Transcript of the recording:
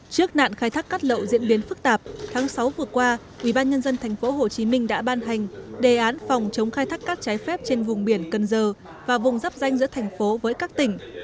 trước nạn khai thác cát lậu diễn biến phức tạp tháng sáu vừa qua ubnd tp hcm đã ban hành đề án phòng chống khai thác cát trái phép trên vùng biển cần giờ và vùng dắp danh giữa thành phố với các tỉnh